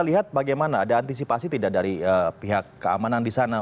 lihat bagaimana ada antisipasi tidak dari pihak keamanan di sana